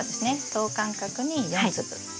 等間隔に４粒。